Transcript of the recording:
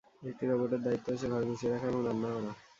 একটি রোবটের দায়িত্ব হচ্ছে ঘর গুছিয়ে রাখা এবং রান্না করা।